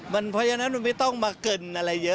เพราะฉะนั้นมันไม่ต้องมาเกินอะไรเยอะ